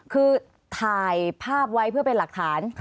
คือถ่ายภาพไว้เพื่อเป็นหลักฐาน